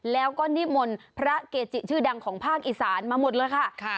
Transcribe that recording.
แล้วก็นิ้มนภรรณเกจิชื่อดังของภาคอิสรมาหมดแล้วค่ะ